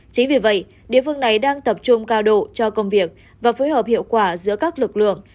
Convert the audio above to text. chính vì vậy địa phương này đang tập trung cao độ cho công việc và phối hợp hiệu quả giữa các lực lượng